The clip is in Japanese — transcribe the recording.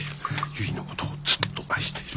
ゆいのことをずっと愛している。